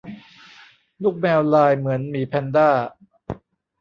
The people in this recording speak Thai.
ลูกแมวลายเหมือนหมีแพนด้า